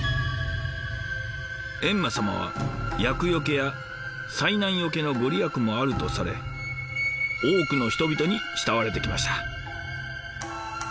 閻魔様は厄よけや災難よけの御利益もあるとされ多くの人々に慕われてきました。